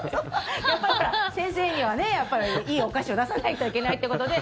先生には、いいお菓子を出さないといけないってことで